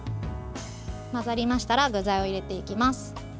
混ざりましたら具材を入れていきます。